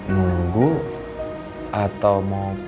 nunggu aja kan